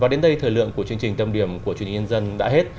chương trình tâm điểm của truyền hình nhân dân đã hết